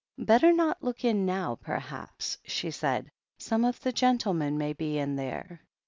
"Better not look in now, perhaps," she said. "Some of the gentlemen may be in there."